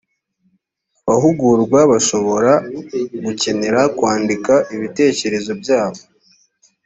abahugurwa bashobora gukenera kwandika ibitekerezo byabo